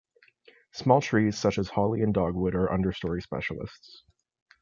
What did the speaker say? Small trees such as holly and dogwood are understory specialists.